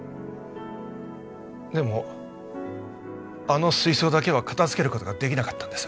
でもあの水槽だけは片付けることができなかったんです。